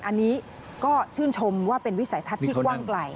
อันนี้ก็ชื่นชมว่าเป็นวิสัยทัศน์ที่กว้างไกล